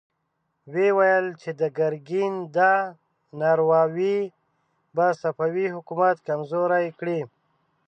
ويې ويل چې د ګرګين دا نارواوې به صفوي حکومت کمزوری کړي.